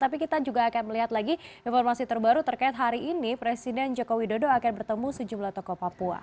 tapi kita juga akan melihat lagi informasi terbaru terkait hari ini presiden joko widodo akan bertemu sejumlah tokoh papua